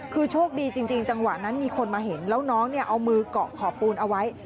คือโชคดีจริงจังหวะนั้นมีคนมาเห็นแล้วน้องเนี่ยเอามือเกาะขอบปูนเอาไว้